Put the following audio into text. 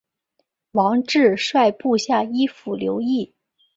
王质率部下依附留异。